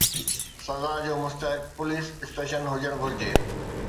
سزا جو مستحق پوليس اسٽيشن هجڻ گهرجي.